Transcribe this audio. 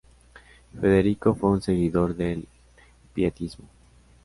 Federico fue un seguidor del Pietismo.